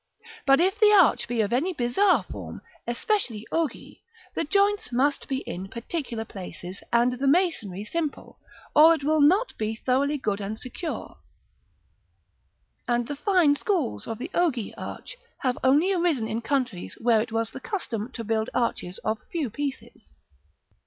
But if the arch be of any bizarre form, especially ogee, the joints must be in particular places, and the masonry simple, or it will not be thoroughly good and secure; and the fine schools of the ogee arch have only arisen in countries where it was the custom to build arches of few pieces.